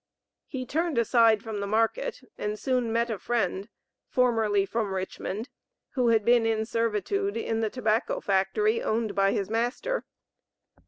He turned aside from the market and soon met a friend formerly from Richmond, who had been in servitude in the tobacco factory owned by his master.